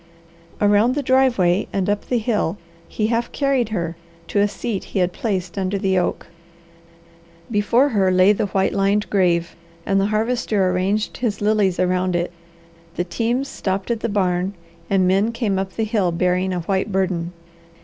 Around the driveway and up the hill he half carried her, to a seat he had placed under the oak. Before her lay the white lined grave, and the Harvester arranged his lilies around it. The teams stopped at the barn and men came up the hill bearing a white burden.